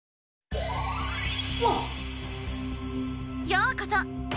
ようこそ！